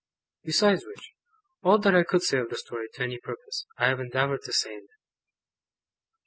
Besides which, all that I could say of the Story, to any purpose, I have endeavoured to say in it.